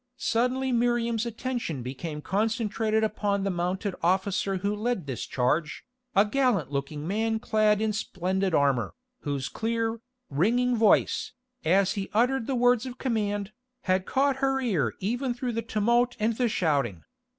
Suddenly Miriam's attention became concentrated upon the mounted officer who led this charge, a gallant looking man clad in splendid armour, whose clear, ringing voice, as he uttered the words of command, had caught her ear even through the tumult and the shouting.